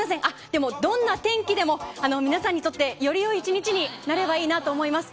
でも、どんな天気でも皆さんにとってより良い１日になればいいなと思います。